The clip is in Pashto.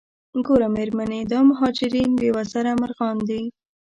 ګوره میرمنې دا مهاجرین بې وزره مرغان دي.